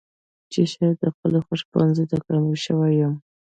چې شايد د خپلې خوښې پوهنځۍ ته کاميابه شوې يم.